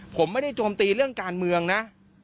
ผมไม่ได้โจมตีเรื่องการเมืองนะ